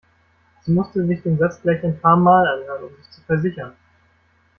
Sie musste sich den Satz gleich ein paarmal anhören, um sich zu versichern.